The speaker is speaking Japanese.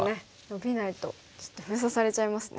ノビないときっと封鎖されちゃいますね。